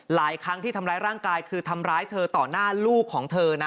หลายครั้งที่ทำร้ายร่างกายคือทำร้ายเธอต่อหน้าลูกของเธอนะ